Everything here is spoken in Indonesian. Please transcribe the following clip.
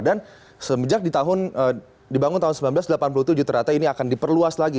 dan semenjak dibangun tahun seribu sembilan ratus delapan puluh tujuh ternyata ini akan diperluas lagi